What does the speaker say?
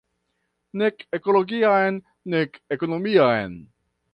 Nek ekologian, nek ekonomian.